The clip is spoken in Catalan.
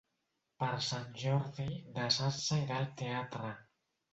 Per Sant Jordi na Sança irà al teatre.